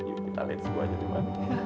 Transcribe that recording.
yuk kita liat semua aja dimana